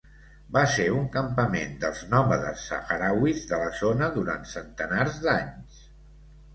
Va ser un campament dels nòmades sahrauís de la zona durant centenars d'anys.